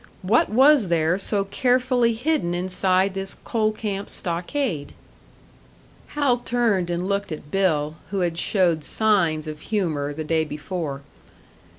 What was there so carefully hidden inside this coal camp stockade? Hal turned and looked at Bill, who had showed signs of humour the day before.